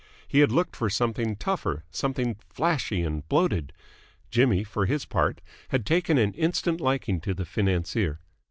He had looked for something tougher, something flashy and bloated. Jimmy, for his part, had taken an instant liking to the financier.